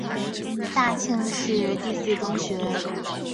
大庆市第四中学。